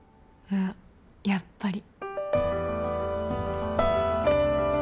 あっやっぱり。